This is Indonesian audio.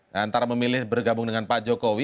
antara memilih bergabung dengan pak jokowi